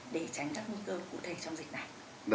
để tránh các nguy cơ cụ thể trong dịch này